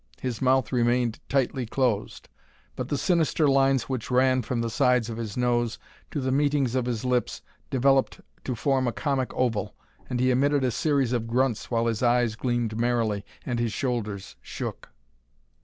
His mouth remained tightly closed, but the sinister lines which ran from the sides of his nose to the meetings of his lips developed to form a comic oval, and he emitted a series of grunts, while his eyes gleamed merrily and his shoulders shook.